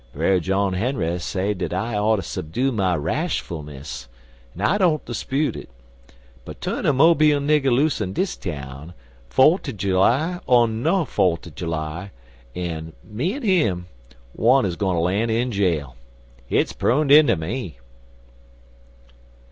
Brer John Henry say dat I oughter subdue my rashfulness, an' I don't 'spute it, but tu'n a Mobile nigger loose in dis town, fote er July or no fote er July, an', me er him, one is got ter lan' in jail. Hit's proned inter me."